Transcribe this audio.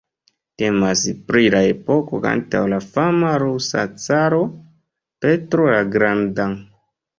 Temas pri la epoko antaŭ la fama rusa caro Petro la Granda.